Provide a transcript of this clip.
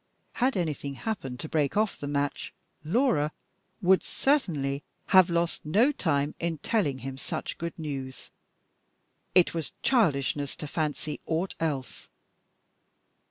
Had anything happened to break off the match, Laura would certainly have lost no time in telling him such good news. It was childishness to fancy aught else.